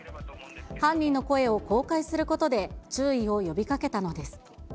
犯人の声を公開することで、注意を呼びかけたのです。